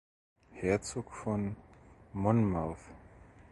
Herzog von Monmouth.